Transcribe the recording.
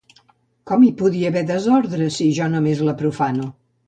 Com hi podria haver desordre, si jo només la profano?